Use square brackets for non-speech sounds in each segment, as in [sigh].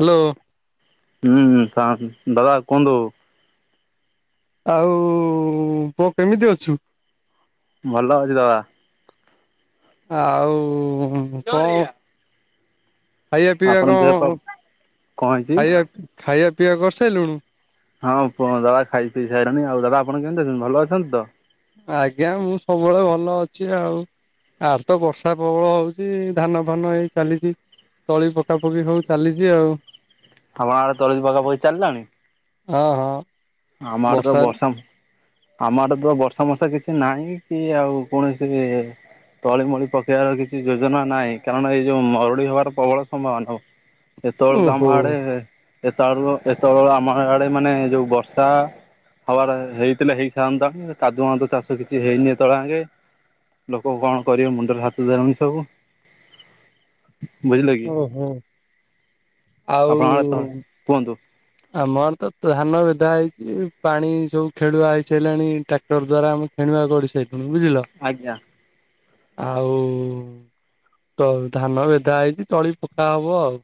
Hello. ହୁଁ କଣ ଦାଦା କୁହନ୍ତୁ। ଆଉ ପୁଅ କେମିତି ଅଛୁ? ଭଲ ଅଛି ଦାଦା। ଆଉ କ ଖାଇବା ପିଇବା ଆପଣଙ୍କ ଦେହ ପା କଣ କ'ଣ ହେଇଛି ଖାଇବା ଖାଇବା ପିଇବା କରିସେଇ ଲୁଣୁ? ହଁ ପୁ ଦାବା ଖାଇ ପିଇ ସାରିଲଣି ଆଉ ଦାବା ଆପଣ କେମିତି ଅଛନ୍ତି ଭଲ ଅଛନ୍ତି ତ? ଆଜ୍ଞା ମୁଁ ସବୁବେଳେ ଭଲ ଅଛି ଆଉ। ଆର୍ ତ ବର୍ଷା ପ୍ରବଳ ହଉଛି ଧାନ ଫାନ ହେଇ ଚାଲିଛି। ତଳି ପକାପକି ହଉ ଚାଲିଛି ଆଉ। ଆପଣ ଆଡେ ତଳି ପକା ପକି ଚାଲିଲାଣି? ହଁ ହଁ। ଆମ ଆଡେ ତ ବର୍ଷା ବସମ୍ ଆମ ଆଡେ ତ ବର୍ଷା ମର୍ସା କିଛି ନାହିଁ କି ଆଉ କୌଣସିବି ତଳିମଳି ପକେଇବାର କିଛି ଯୋଜନା ନାହିଁ କାରଣ ଏଇ ଯୋଉ ମରୁଡି ହବାର ପ୍ରବଳ ସମ୍ଭାବନା। ଏତେବେଳକୁ ଆମ ଓହୋ ଆଡେ ଏତେବେଳୁ ଏତେବେଳକୁ ଆମ ଆଡେ ମାନେ ଯୋଉ ବର୍ଷ ହବାର ହେଇଥିଲେ ହେଇଥାନ୍ତାଣି କାଦୁ ହନ୍ତ ଚାଷ କିଛି ହେଇନି ତଳେ ଆଗେ ଲୋକ କଣ କରିବେ ମୁଣ୍ଡର ହାତ ଦେଲେଣି ସବୁ। ବୁଝିଲେ କି ଓ ହୋ ଆଉ ଆପଣଙ୍କର ତ କୁହନ୍ତୁ। ଆମର ତ ଧାନ ବେଧା ହେଇଛି ପାଣି ସବୁ ଖେଳୁଆ ହେଇସାରିଲାଣି। ଟ୍ରାକ୍ଟର ଦ୍ୟାରା ଆମେ ଖେଣିବାକୁ ଗଡିସାଇ ଲୁଣି ବୁଝିଲ। ଆଜ୍ଞା। ଆଉ। ତଉ ଧାନ ବେଟା ହେଇଛି ତଳି ପକା ହବ ଆଉ।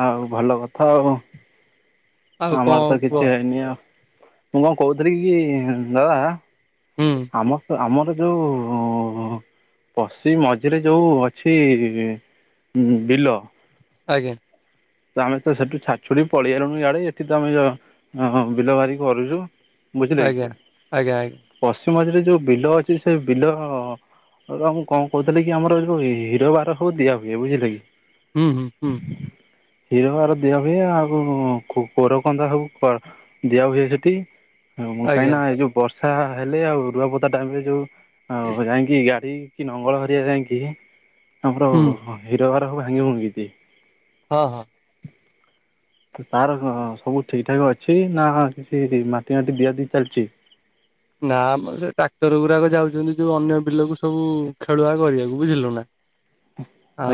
ଆଉ ଭଲ କଥା ଆଉ ଆଉ ଆମର କଣ ତ କୁହ କିଛି ହେଇନି ଆଉ। ମୁଁ କଣ କହୁଥିଲି କି ଦାଦା ହୁଁ ଆମ ଆମର ଯୋଉ ପଶି ମଝିରେ ଯୋଉ ଅଛି ବିଲ ଆଜ୍ଞା। ତ ଆମେ ତ ସେଠୁ ଛା ଛୁଡି ପଳେଇଗଲଣି ଏଆଡେ ଏଠି ତ ଆମେ ଯ ବିଲ ବାଦି କରୁଛୁ। ବୁଝିଲେ କି ଆଜ୍ଞା ଆଜ୍ଞା ଆଜ୍ଞା ପଶ୍ଚିମ ମଝିରେ ଯୋଉ ବିଲ ଅଛି ସେ ବିଲ ହଉଉ ମୁଁ କଣ କହୁଥିଲି କି ଆମର ଏ ଯୋଉ ହିରୋ ବାର ଯୋଉ ଦିଆ ହୁଏ ବୁଝିଲେ କି। ହୁଁ ହୁଁ ହୁଁ। କ୍ଷୀରଆର ଦିଆ ହୁଏ ଆଉ କୋରକନ୍ଦା ସବୁ ଦିଆ ହୁଏ ସେଠି। ହ ମୁଁ କାହିଁକି ଆଜ୍ଞା ନା ଏଇ ଯୋଉ ବର୍ଷା ହେଲେ ଆଉ ରୁଆପତା ଟାଇମରେ ଯୋଉ ଆଉ ଯାଇକି ଗାଡି କି ନଙ୍ଗଳ କରିବା ଯାଇକି ଆମର ହୁଁ ହେରବାର ସବୁ ଭାଙ୍ଗି ଭୋଙ୍ଗୀଛି। ହଁ ହଁ। ତାର ସବୁ ଠିକଠାକ୍ ଅଛି ନା କିଛି ମାଟି ମାଟି ଦିଆଦି ଚାଲିଛି? ନା ଆମର ସେ ଟ୍ରାକ୍ଟର ଗୁଡାକ ଯାଉଛନ୍ତି ଯୋଉ ଅନ୍ୟ ବିଲକୁ ସବୁ ଖେଳୁଆ କରିବାକୁ ବୁଝିଲୁ ନା।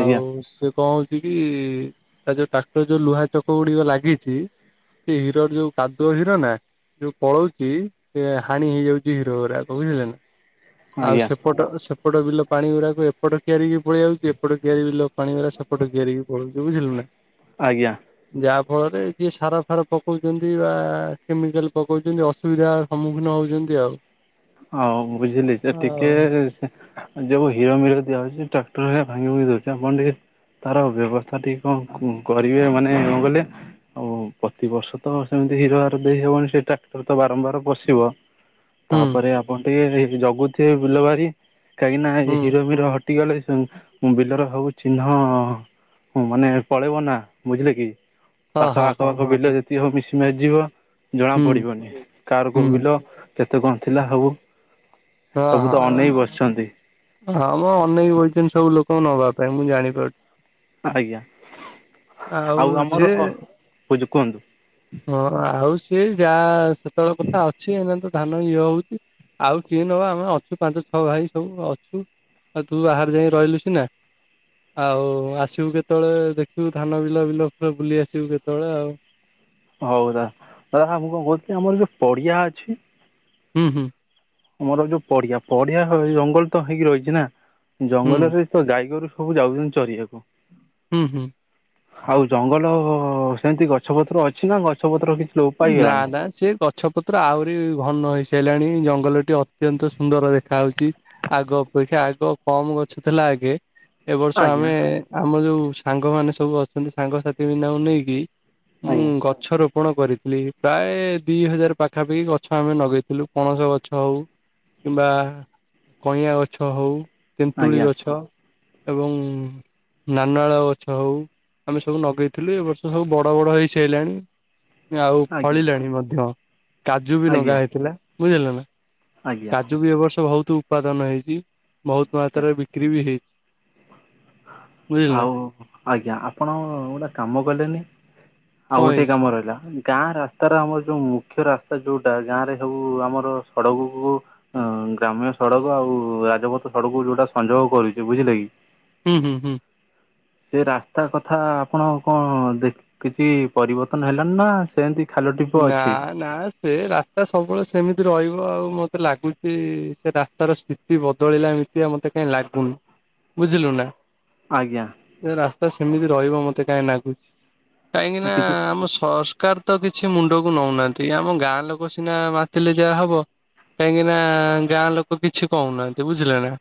ଆଜ୍ଞା ସେ କଣ କି ତା ଯୋଉ ଟ୍ରାକ୍ଟର ଯୋଉ ଲୁହା ଚକ ଗୁଡିକ ଲାଗିଛି ସେ ହିରର ଯୋଉ କାଦୁଅ ହିର ନା ଯୋଉ ପଳଉଛି ସେ ପାଣି ହେଇଯାଉଛି ହିରୋ ହରା ବୁଝିଲେ ନା ଆଉ ଆଜ୍ଞା ସେ ସେପଟ ସେପଟ ବିଲ ପାଣି ଗୁଡାକ ଏପଟ କିଆରିି ପଳଆ ଯାଉଛି ଏପଟ କିଆରି ବିଲ ପାଣି ଗୁଡ଼ାସେ ପଟେ ଘେରିକି ପଳଉଛ ବୁଝିଲୁ ନା। ଆଜ୍ଞା। ଯାହା ଫଳରେ ଯିଏ ସାର ଫାର ପକଉଛନ୍ତି ବା କେମିକାଲ ପକଉଛନ୍ତି ଅସୁବିଧା ସମ୍ମୁଖ ନ ହଉଛନ୍ତି ଆଉ। ହଉ ବୁଝିଲି ସେ ଆଉ ଟିକେ ଯଉ ହୀର ମିିର ଦିଯଉଛି ଟ୍ରାକ୍ର ଭାିିଉଛି ଆପଣ ଟିକେ ତାର ବ୍ୟବସ୍ଥା ଟିକେ କଣ କରିବେ ମାନେ କ କଲେ ଆଉ ପ୍ରତିବର୍ଷ ତ ସେମିତି ହିର ହାର ଦେଇ ହବନ ସେ ଟ୍ରାକ୍ଟର ତ ବାରମ୍ବାର ପଶିବ ହୁଁ ପରେ ଆପଣ ଟିକେ ଜଗୁଥିବେ ବିଲବାରି କାହିଁକି ନା ହୁଁ ହିରୋମିର ସେଠିକି ଗଲେ ବିଲର ସବୁ ଚିହ୍ନ ହଁ ମାନେ ପଳେଇବ ନା ବୁଝିଲେ କି। ହଁ ପାଖ ହଁ ଆଖ ହଁ ସବୁ ବିଲ ଯେତିକି ହବ ମିଶି ମାସି ଯିବ ଜଣା ହୁଁ ପଡିବନି କାହାର କୋଉ ହୁଁ ବିଲ। କେତେ କଣ ଥିଲା ସବୁ। ଅହ ସବୁ ତ ହଁ ଅନେଇ ବସିଛନ୍ତି ହଁ ମଁ ଅନେଇକି ବଇଚନ୍ତି ସବୁ ଲୋକଙ୍କୁ ନବା ପାଇଁ ମୁଁ ଜାଣିପାରୁଛି। ଆଜ୍ଞା ଆଉ ଆମର କହୁଛି କୁହନ୍ତୁ। ହଁ ଆଉ ସିଏ ଯାହା ସେତେବେଳେ କଥା ଅଛି ଏନା ତ ଧାନ ଇଏ ହଉଛି। ଆଉ କିଏ ନବା ଆମେ ଅଛୁ ପାଞ୍ଚ ଛଅ ଭାଇ ସବୁ ଅଛୁ। ଆଉ ତୁ ବାହାରାରେ ଯାଇ ରହିଲେ ସିନା। ଆଉ ଆସିବୁ କେତେବେଳେ ଦେଖିବୁ ଧାନ ବିଲ ଫିଲ ପୁରା ବୁଲି ଆସିବୁ କେତେବେଳେ ଆଉ। ହଉ ଦା [inaudible] ମୁଁ କଣ କହୁଥିଲି ଆମର ଯୋ ପଡିଆ ଅଛି। ହୁଁ ହୁଁ। ଆମର ଯୋଉ ପଡିଆ ପଡିଆ ଜଙ୍ଗଲ ତ ହେଇକି ରହିଛି ନା ହୁଁ ଜଙ୍ଗଲରେ ତ ଜାଇାଗୋରୁ ସବୁ ଯାଉଛନ୍ତି ଚରିବାକୁ। ହୁଁ ହୁଁ। ଆଉ ଜଙ୍ଗଲ ସେମତି ଗଛ ପତ୍ର ଅଛି କ ଗଛ ପତ୍ର କିଛି। ଲୋପ ନା ପାଇଗଲାଣି ନା ସେ ଗ ଗଛ ପତ୍ର ଆହୁରି ଘନ ହେଇସାରିଲାଣି ଜଙ୍ଗଲଟି ଅତ୍ୟନ୍ତ ସୁନ୍ଦର ଦେଖାଯାଉଛି। ଆଗ ଅପେକ୍ଷା ଆଗ କମ ଗଛ ଥିଲା ଆଗେ। ଏବ ବର୍ଷ ଆଜ୍ଞା ଆମେ ଆମ ଯୋଉ ସାଙ୍ଗମାନେ ସବୁ ଅଛନ୍ତି ସାଙ୍ଗସାଥି ପିଲାଙ୍କୁ ନେଇକି। ମୁଁ ଆଜ୍ଞା। ଗଛ ରୋପଣ କରିବୁ। ପ୍ରାୟ ଦି ହଜାର ପାଖାପାଖି ଗଛ ଆମେ ଲଗେଇଥିଲୁ ପଣସ ଗଛ ହଉ। କିମ୍ବା କଇଁଆଁ ଗଛ ହଉ ତେନ୍ତୁଳି ଆଜ୍ଞା ଗଛ। ଏବଂ। ନାନାଳ ଗଛ ହଉ ଆମେ ସବୁ ଲଗେଇଥିଲୁ ଏ ବର୍ଷ ସବୁ ବଡ଼ ବଡ଼ ହେଇସାରିଲାଣି। ଆଉ ଆଜ୍ଞା ଫଳିଲାଣି ମଧ୍ୟ କାଜୁ ବି ଆଜ୍ଞା ଲଗା ହେଇଥିଲା ବୁଝିଲ ନା। ଆଜ୍ଞା। କାଜୁ ବି ଏବ ବର୍ଷ ବହୁତ ଉତ୍ପାଦନ ହେଇଛି ବହୁତ ଆଜ୍ଞା ମାତ୍ରାରେ ବିକ୍ରି ବି ହେଇଛି। ବୁଝିଲ ଆଉ ନା ଆଜ୍ଞା ଆପଣ ଗୋଟେ କାମ କଲେନି। ଆଉ କଣ ଗୋଟେ ହେଇଛି କାମ ରହିଲା। ଗାଁ ରାସ୍ତାର ଆମର ଯେଉଁ ମୁଖ୍ୟ ରାସ୍ତା ଯେଉଁଟା ଗାଁରେ ହେଉ ଆମର ସଡ଼କକୁ ଅଁ ଗ୍ରାମ୍ୟ ସଡ଼କ ଆଉ ରାଜପଥ ସଡକ ଯୋଉଟା ସଂଯୋଗ କରୁଛି ବୁଝିଲେ କି। ହୁଁ ହୁଁ ହୁଁ। ସେ ରାସ୍ତା କଥା ଆପଣ କଣ ଦେଖ କିଛି ପରିବର୍ତ୍ତନ ହେଲଣି ନା ସେମିତି। ଖାଲ ଢିପ ନା ଅଛି ନା। ସେ ରାସ୍ତା ସବୁବେଳେ ସେମିତି ରହିବ ଆଉ ମତେ ଲାଗୁଚ ସେ ରାସ୍ତାର ସ୍ଥିତି ଏତି ବଦଳିଲା ଏମିତିଆ ମତେ କାଇହିଁ ଲାଗୁନି ବୁଝିଲୁ ନା। ଆଜ୍ଞା। ସେ ରାସ୍ତା ସେମିତି ରହିବ ମତେ କାହିଁ ଲାଗୁଛି କାହିଁକି ନା କିଛି ଆମ ସରକାର ତ କିଛି ସେ ମୁଣ୍ଡକୁ ନଉନାହାନ୍ତି ଆମ ଗାଁ ଲୋକ ସିନା ମାତିଲେ ଯାହା ହବ। କାହିଁକି ନା ଗାଁ ଲୋକ କିଛି କହୁନାହାନ୍ତି ବୁଝିଲେ ନା।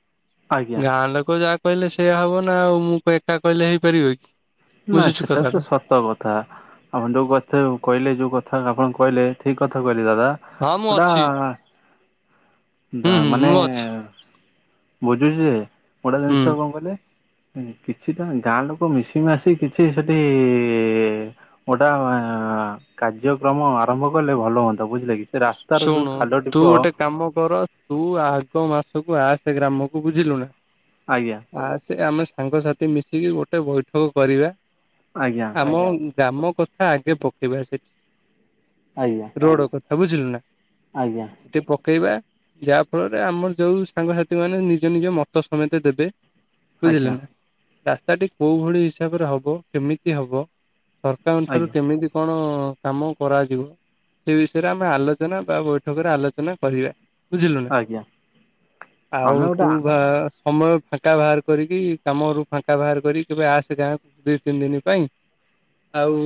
ଆଜ୍ଞା ଗାଁ ଲୋକ ଯାହା କହିଲେ ସେଇୟା ହବ ନା ଆଉ ମୁଁ ଏକା କହିଲେ ହେଇପାରିବ କି। ନା ବୁଝୁଛୁ ସେଟା ତ କଥାଟା ସତ କଥା। ତା ଆପଣ ଯୋଉ କଥା କହିଲେ ଯୋଉ କଥା ଆପଣ କହିଲେ ଠିକ୍ କଥା କହିଲେ ହଁ ମୁଁ ଦାଦା। ଅଛି ହୁଁ [inaudible] ହୁଁ ମାନେ ମୁଁ ଅଛି ବୁଝୁଛି ଯେ କୋଟେ ହୁଁ। ଜିନିଷ କଣ କହିଲେ। ହୁଁ କିଛି ତ ଗାଁ ଲୋକ ମିଶି ମାସି କିଛି ସେଠି ଗୋଟା ଆଁ କାର୍ଯ୍ୟକ୍ରମ ଆରମ୍ଭ କଲେ ଭଲ ହୁଅନ୍ତା ବୁଝିଲେ କି? ସେ ରାସ୍ତାର ଯୋଉ ଶୁଣୁ ଖାଲ ତୁ ଢିପ ଗୋଟେ କାମ କର ତୁ ଆଗ ମାସକୁ ଆସେ ଗ୍ରାମକୁ ବୁଝିଲୁ ନା ଆଜ୍ଞା। ଆସେ ଆମେ ସାଙ୍ଗସାଥି ମିଶିକି ଗୋଟେ ବୈଠକ କରିବା। ଆଜ୍ଞା। ଆମ ଗ୍ରାମ କଥା ଆଗେ ପକେଇବା ସେଠି ଆଜ୍ଞା। ରୋଡ କଥା ବୁଝିଲୁ ନା? ଆଜ୍ଞା। ଟିକେ ପକେଇବା ଯା ଫଳରେ ଆମର ଯୋଉ ସାଙ୍ଗସାଥି ମାନେ ନିଜ ନିଜ ମତ ସମେତେ ଦେବେ। ବୁଝିଲେ ଆଜ୍ଞା ନା ରାସ୍ତାଟି କୋଉ ଭଳି ହିସାବରେ ହବ କେମିତି ହବ। ସରକାରଙ୍କ ଠାରୁ ଆଜ୍ଞା କେମିତି କଣ କାମ କରାଯିବ ସେ ବିଷ ସେଟା ଆମେ ଆଲୋଚନା ବା ବୈଠକରେ ଆଲୋଚନା କରିବା। ବୁଝିଲୁ ନା ଆଜ୍ଞା ଆମେ ଆଉ ତୁ ଗୋଟେ ବା ସମୟ ଫାଙ୍କା ବାହାର କରିକି କାମରୁ ଫାଙ୍କା ବାହାର କରିକି କେବେ ଆସେ ଗାଁକୁ ଦି ତିନି ଦିନି ପାଇଁ ଆଉ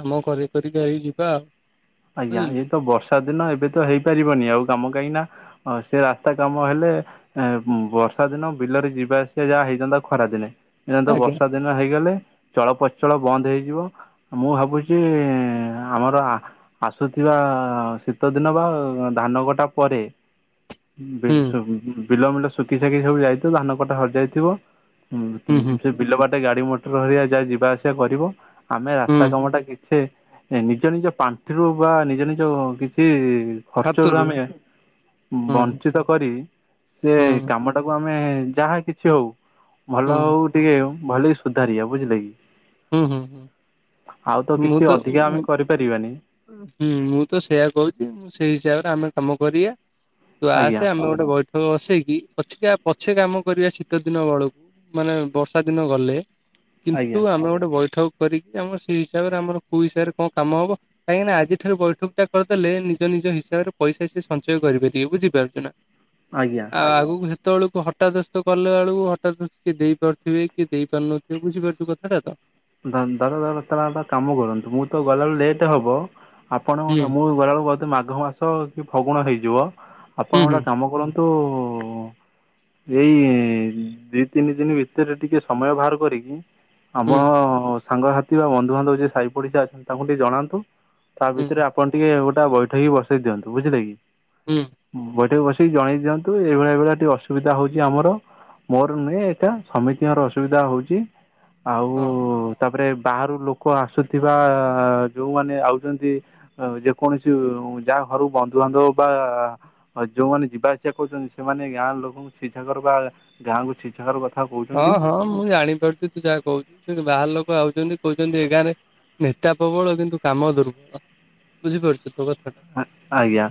କାମ କରି କରିକି ଆଇ ଯିବା ଆଉ ଆଜ୍ଞା ବୁଝିଲୁ ଏଇଏ ତ ବର୍ଷା ଦିନ ଏବେ ତ ହେଇପାରିବନି ଆଉ କାମ କାହିଁକି ନା ଆ ସେ ରାସ୍ତା କାମ ହେଲେ ଏଁ ବର୍ଷା ଦିନ ବିଲରେ ଯିବା ଆସିବା ଯାହା ହେଇଥାନ୍ତା ଖରା ଦିନେ ଏଇନେତ ଆଜ୍ଞା ବର୍ଷା ଦିନ ଦିନ ହେଇଗଲେ ଚଳପଚଳ ବନ୍ଦ ହେଇଯିବ। ମୁଁ ଭାବୁଛି ଇଁ ଆମର ଆ ଆସୁଥିବା ଶୀତ ଦିନ ବା ଧାନ କଟା ପରେ ବି ହୁଁ ସୁ ବିଲମିଲ ଶୁକି ସାକି ସବୁ ଯାଇଥିବ ଧାନ କଟା ସରିଯାଇଥିବ ହୁଁ ହୁ ହୁଁ ସେ ବିଲ ବାଟେ ଗାଡି ମଟର ହେଇକା ଯା ଯିବା ଆସିବା କରିବ। ଆମେ ରାସ୍ତା ହୁଁ କାମଟା କିଛି ନିଜ ନିଜ ପାଣ୍ଠିରୁ ବା ନିଜ ନିଜ କିଛି ଖର୍ଚ୍ଚରୁ ହାତରୁ ଆମେ ହୁଁ ବଞ୍ଚିତ କରି ସେ ହୁଁ କାମ ତାକୁ ଆମେ ଯାହା କିଛି ହଉ ହୁଁ ଭଲ ହଉ ଟିକେ ଭଲକି ସୁଧାରିବା ବୁଝିଲେ କି? ହୁଁ ହୁଁ ହୁଁ ଆଉ ତ କିଛି ଅଧିକା ଆମେ କରିପାରିବାନି। ହୁଁ ମୁଁ ତ ସେଇୟା କହୁଛି ସେଇ ହିସାବରେ ଆମେ କାମ କରିବା। ତୁ ଆସେ ଆଜ୍ଞା ଆମେ ଗୋଟେ ବୈଠକ ବସେଇକି ପଛିକା ପଛେ କାମ କରିବା ଶୀତ ଦିନ ବେଳକୁ ମାନେ ବର୍ଷା ଦିନ ଗଲେ କିନ୍ତୁ ଆଜ୍ଞା ଆମର ଗୋ ଗୋଟେ ବୈଠକ କରିକି ଆମର ସେଇ ହିସାବରେ ଆମର କୋଉ ହିସାବରେ କଣ କାମ ହବ କାହିଁକିନା ଆଜି ଠାରୁ ବୈଠକଟା କରିଦେଲେ ନିଜ ନିଜ ହିସାବରେ ପଇସା ସିଏ ସଞ୍ଚୟ କରିପାରିବେ ବୁଝିପାରୁଚୁ ନା ଁ ଆଜ୍ଞା। ଆଉ ଆଗକୁ ହେତେବେଳକୁ ହଠାଦସ୍ତ କଲା ଏଳକୁ ହଠାତ୍ କିଏ ଦେଇ ପାରୁଥିବେ କି ଦେଇ ପାରୁନ ତୁ ବୁଝିପାରୁଚୁ କଥାଟା ତ ଧ ଧର ଧର ତାହେଲେ ଗୋଟା କାମ କରନ୍ତୁ ମୁଁ ତ ଗଲାବେଳେ ଲେଟ୍ ହବ ଆପଣ ହୁଁ ଗୋଟେ ମୁଁ ଗଲାବେଳକୁ ବଧେ ମାଘ ମାସ କି ଫଗୁଣ ହେଇଯିବ ହୁଁ ଆପଣ ହୁଁ। ଗୋଟେ କାମ କରନ୍ତୁ ତୁ ଉ ଏଇ ଦିଇ ତିନି ଦିନି ଭିତରେ ଟିକେ ସମୟ ବାହାର କରିକି ହୁଁ ଆମ ସାଙ୍ଗସାଥି ବା ବନ୍ଧୁବାନ୍ଧବ ଯିଏ ସାହି ପଡିଶା ଅଛନ୍ତି ତାଙ୍କୁ ଟିକେ ଜଣାନ୍ତୁ। ତା ହୁଁ ଭିତରେ ଆପଣ ଟିକେ ଗୋଟାଏ ବୈଠକି ବସେଇ ଦିଅନ୍ତୁ ବୁଝିଲେ କି ହୁଁ ବୈଠକ ବସେଇକି ଜଣେଇ ଦିଅନ୍ତୁ ଏଇଭଳିଆ ଏ ଭଳିଆ ଟିକେ ଅସୁବିଧା ହଉଚି ଆମର ମୋର ନୁହେଁ ଏଟା ସମିତିଙ୍କର ଅସୁବିଧା ହଉଚି ଆଉ ଉ ହଁ। ତାପରେ ବାହାରୁ ଲୋକ ଆସୁଥିବା ଯୋଉମାନେ ଆଉଚନ୍ତି ଯେକୌଣସି ଯା ଘରୁ ବନ୍ଧୁବାନ୍ଧବ ବା ଆଉ ଯୋଉମାନେ ଯିବା ଇ୍ଛା କରୁଛନ୍ତି ସେମାନେ ଗାଁ ଲୋକଙ୍କୁ ଶିକ୍ଷାକ ଗାଁକୁ ଶିକ୍ା ହଁ ହଁ ମୁଁ ଜାଣିପାରୁଛି ତୁ ଯାହା କହୁଛୁ ସେ ବାହାର ଲୋକ ଆଉଛନ୍ତି କହୁଛନ୍ତି ଏଗାଁରେ ନେତା ପ୍ରବଳ କିନ୍ତୁ କାମ ଦୁର୍ବଳ ବୁଝିପାରୁଛ ତୋ କଥାା ଆଜ୍ଞା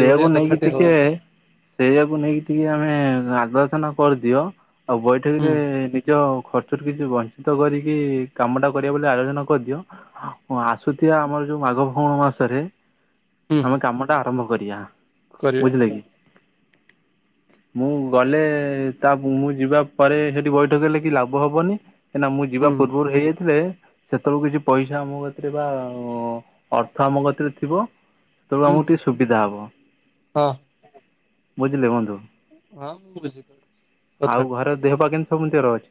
ସେଆକୁ ନେଇକି କଥାଟି ଟିକେ ହଉଛି ସେଇଆାକୁ ନେଇକି ଟିକେ ଆମେ ଆଲଚନା କରିଦିଅ ଆଉ ବୈଠକ ହୁଁ ରେ ନିଜ ଖର୍ଚ୍ଚ କିଛି ବଞ୍ଚିତ କରିକି କାମ ଟା କରିବା ବୋଲି ଆଲୋଚନ କରିଦିଅ ଆସୁ ଏ ଆମର ଯୋଉ ମାଘ ଫଉଣ ମାସରେ ହୁଁ ହୁଁ ଆମେ କାମଟା ଆରମ୍ଭ କରିବା କରିବା ବୁଝିଲେ କି [inaudible] ମୁଁ ଗଲେ ତା ମୁଁ ଯିବା ପରେ ସେଠି ବୈଠକ ହେଲେ କି ଲାଭ ହବନି କାହିଁକନା ମୁଁ ଯିବା ହୁଁ। ପୂର୍ବରୁ ହେଇଯାଇଥିଲେ ସେତେବେୁ କିଛି ପଇସା ଆମ ଗତିରେ ବା ଅର୍ଥ ଆମ ଗତିରେ ଥିବ ତେଳୁ ହୁଁ ଆମକୁ ହୁଁ ଟିକେ ସୁବିଧା ହବ ହଁ ବୁଝିଲେ ବନ୍ଧୁ ହଁ ମୁଁ ବୁଝିପାରୁଛି ଆଉ କଥାଟା ଘର ଦେହ ବା କେତି ସବୁତିର ଅଛି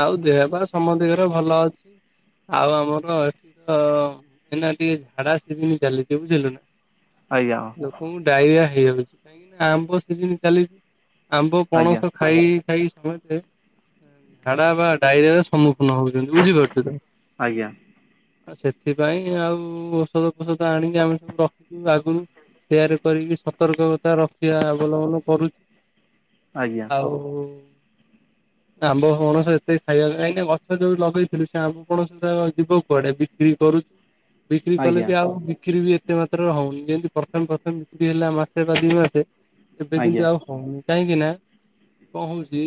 ଆଉ ଦେହ ବା ସମସ୍ତ ଘରେ ଭଲ ଅଛି ଆଉ ଆମର ଏଠି ର ଏନା ଟିକେ ଝାଡା ଆ ଚାଲିଛି ବୁଝିଲୁ ନା ଆଜ୍ଞା ଲୋକଙ୍କୁ ଡାଇରିଆ ହେଇଯାଉଛି କାହିଁକି ନା ଆମ୍ବ ସିଜିିନ ଚାଲିଛି ଆମ୍ବ ଆଜ୍ଞା ପଣସ ଖାଇ ଖାଇ ସମୟ ଝାଡା ବା ଡାଇରିଆ ସମ୍ମୁଖୀନ ହଉଛନ୍ତି ବୁଝିପାରୁଛ ତ ଆଜ୍ଞା ସେଥିପାଇଁ ଆଉ ଔଷଧ ଫୋଷଧ ଆଣିକି ଆମେ ସବୁ ରଖିଛୁ ଆଗରୁ ତିଆରି କରିକି ସତର୍କତା ରଖିବା ଅବଲମ୍ବନ କରୁଛି ଆଜ୍ଞା ଆଉ ଆମ୍ବ କଣସ ଏତେ ଖାଇବା କାହିଁକି ଗଛ ଯୋଉ ଲଗେଇଥିଲ ସେ ଆମ କୌଣ ଯିବ କୁଆଡେ ବିକ୍ରି କରୁଛୁ ବିକ୍ରି କଲେ ଆଜ୍ଞା ବି ଆଉ ବିକ୍ରି ବି ଏ ଏତେ ମାତ୍ରାରେ ହଉନି ଯେମିତି ପ୍ରଥମେ ପ୍ରଥମେତି ହେଲା ମାସେ ବା ଦି ମାସେ ଏବେ ଆଜ୍ଞା କିନ୍ତୁ ଆଉ ହଁ ମୁ କାହିଁକି ନା କଣ ହଉଛି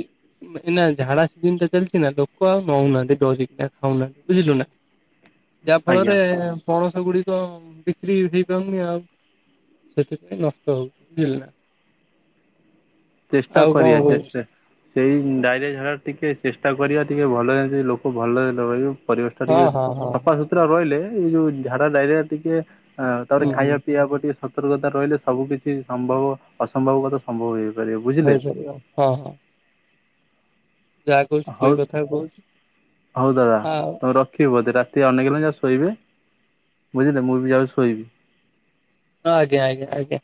ନା ଝାଡା ଦିନଟା ଚାଲିଛି ନା ଲୋକ ଆଉ ନଉନାହାନ୍ତି ଡରିକିନା ଖାଉନାହାନ୍ତି ବୁଝିଲୁ ନା ଯାହା ଆଜ୍ଞା ଫଳରେ ପଣସ ଗୁଡିକ ବିକ୍ରି ହେଇପାରୁନି ଆଉ ସେଥିପାଇଁ ନଷ୍ଟ ହଉଛି ବୁଝିଲ ନା ଚେଷ୍ଟା ଆଉ କଣ କରଆେ କହୁଛି ସେଇ ଡାଇରିଆ ଝାଡା ଟିକେ ଚେଷ୍ଟା କରିବା ଟିକେ ଭଲରେ ଲୋକ ଭଲ ପର ହଁ ଟିକେ ହଁ ହଁ ହଁ ସଫାସୁତୁରା ରହିଲେ ଏଇ ଯୋଉ ଝାଡା ଡାଇରିଆ ଟିକେ ହ ତାପରେ ହୁଁ ହୁଁ ଖାଇବା ପିଇବାକୁ ଟିକେ ସତର୍କତା ରହିଲେ ସବୁ କିିଛି ସମ୍ଭବ ଅସମ୍ଭବ କଥା ସମ୍ଭବ ହେଇ ହେ ସାରିବ ହଁ ହଁ ଯାହା କହୁଛୁ ଠିକ ହଉ କଥା କହୁଛୁ ହଉ ଦାଦା ଆଉ ତମେ ରଖିବଧି ସେ ଅନେକ ହେଲା ଯାହା ଶୋଇବେ ବୁଝିଲେ ମୁଁ ବି ଯାହା ଶୋଇବି ହଁଂ୍ଞା ଆଜ୍ଞା ଆ୍ଞା